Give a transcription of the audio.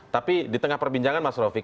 tapi di tengah perbincangan mas rofiq